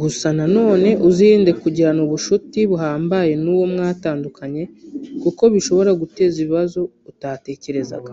Gusa na none uzirinde kugirana ubushuti buhambaye n’uwo mwatandukanye kuko bishobora guteza ibibazo utatekerezaga